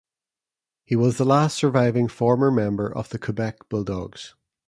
He was the last surviving former player of the Quebec Bulldogs.